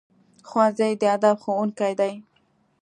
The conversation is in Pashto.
ښوونځی د ادب ښوونکی دی